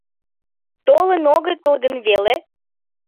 Толын огытыл гын веле?»